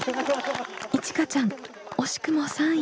いちかちゃん惜しくも３位。